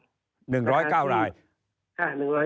เป็นการที่